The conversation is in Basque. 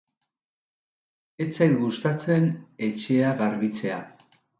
Ez zait gustatzen etxea garbitzea